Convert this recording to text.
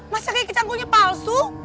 masa kakek canggulnya palsu